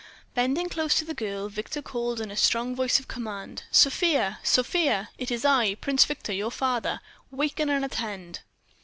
Bending close to the girl, Victor called in a strong voice of command: "Sofia! Sofia! It is I, Prince Victor, your father. Waken and attend!"